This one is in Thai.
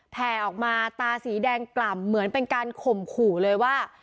แผ่ออกมาตาสีแดงกล่ำเหมือนเป็นการข่มขู่เลยว่า